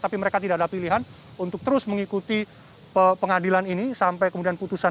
tapi mereka tidak ada pilihan untuk terus mengikuti pengadilan ini sampai kemudian putusan